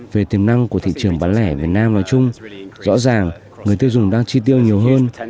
về tiềm năng của thị trường bán lẻ việt nam nói chung rõ ràng người tiêu dùng đang chi tiêu nhiều hơn